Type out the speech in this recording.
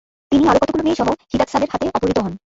তিনি আরও কতোগুলো মেয়েসহ হিদাৎসাদের হাতে অপহৃত হন।